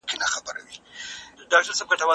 کېدای سي انځور تاريک وي،